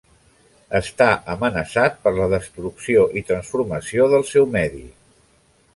Està amenaçat per la destrucció i transformació del seu medi.